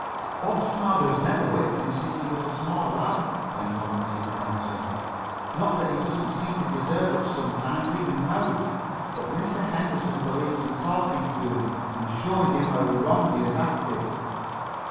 "Bob's father has never whipped him since he was a small lad," went on Mrs. Henderson. "Not that he doesn't seem to deserve it sometimes even now, but Mr. Henderson believes in talking to him and showing him how wrong he has acted."